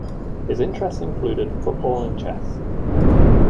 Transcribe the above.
His interests included football and chess.